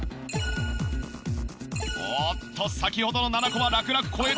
おっと！先ほどの７個は楽々超えてきた！